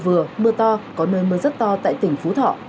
vừa mưa to có nơi mưa rất to tại tỉnh phú thọ